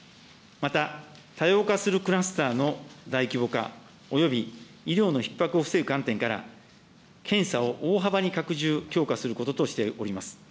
また、多様化するクラスターの大規模化および医療のひっ迫を防ぐ観点から、検査を大幅に拡充、強化することとしております。